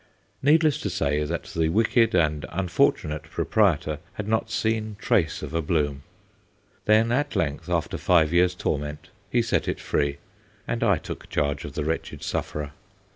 Needless to say that the wicked and unfortunate proprietor had not seen trace of a bloom. Then at length, after five years' torment, he set it free, and I took charge of the wretched sufferer.